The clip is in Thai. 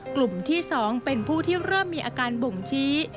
กลุ่มที่๒เป็นผู้ที่เริ่มมีอาการบ่งชี้